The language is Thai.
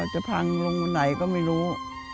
จะพังลงไหนก็ไม่รู้